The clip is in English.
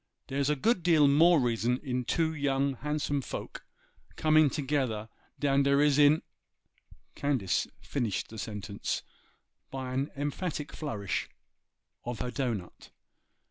Dere's a good deal more reason in two young, handsome folks coming together dan der is in——' Candace finished the sentence by an emphatic flourish of her dough nut.